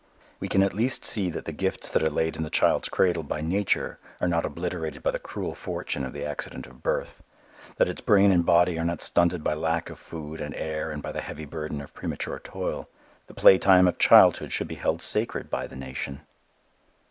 We can at least see that the gifts that are laid in the child's cradle by nature are not obliterated by the cruel fortune of the accident of birth: that its brain and body are not stunted by lack of food and air and by the heavy burden of premature toil. The playtime of childhood should be held sacred by the nation.